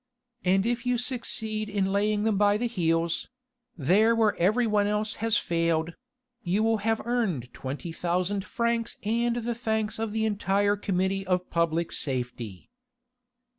And if you succeed in laying them by the heels there where every one else has failed you will have earned twenty thousand francs and the thanks of the entire Committee of Public Safety."